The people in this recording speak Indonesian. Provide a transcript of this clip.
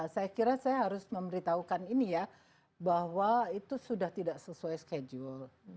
saya kira saya harus memberitahukan ini ya bahwa itu sudah tidak sesuai schedule